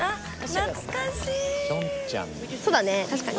懐かしい！